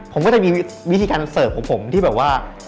ผมก็จะมีวิธีการเสิร์ฟของผมที่แบบว่า